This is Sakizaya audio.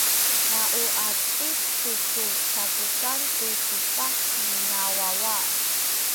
na u atip tu ku sapukan tu tubah nina wawa.